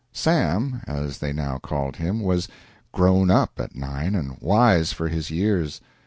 "Sam," as they now called him, was "grown up" at nine and wise for his years.